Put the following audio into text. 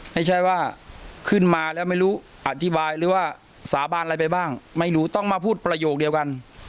ไม่ใช่ว่าขึ้นมาแล้วไม่รู้อธิบายหรือว่าสาบานอะไรไปบ้างไม่รู้ต้องมาพูดประโยคเดียวกัน